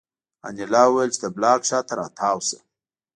انیلا وویل چې د بلاک شا ته را تاو شه